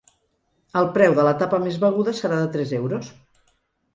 El preu de la tapa més beguda serà de tres euros.